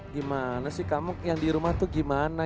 gimana sih kamu yang di rumah tuh gimana